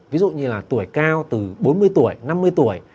ví dụ như là tuổi cao từ bốn mươi tuổi năm mươi tuổi